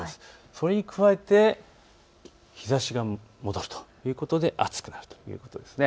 それに加えて日ざしが戻るということで暑くなるということです。